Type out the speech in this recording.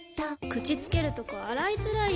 口つけるとこ洗いづらい！